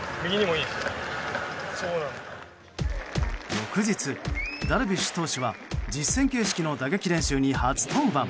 翌日、ダルビッシュ投手は実戦形式の打撃練習に初登板。